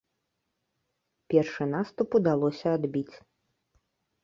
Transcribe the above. Першы наступ удалося адбіць.